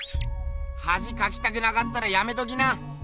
はじかきたくなかったらやめときな！